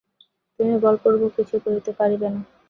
তুমি বলপূর্বক কিছু করিতে পারিবে না।